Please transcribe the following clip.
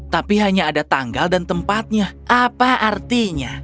tapi hanya ada tanggal dan tempatnya apa artinya